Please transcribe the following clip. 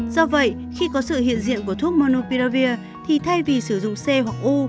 do vậy khi có sự hiện diện của thuốc monopiravir thì thay vì sử dụng c hoặc u